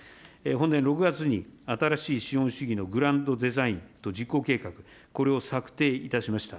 本年６月に新しい資本主義のグランドデザインと実行計画、これを策定いたしました。